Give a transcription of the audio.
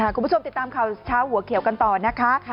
คุณผู้ชมติดตามข่าวเช้าหัวเขียวกันต่อนะคะ